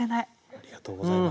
ありがとうございます。